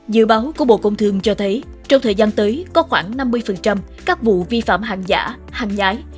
dự báo của bộ công thương cho thấy trong thời gian tới có khoảng năm mươi các vụ vi phạm hàng giả hàng nhái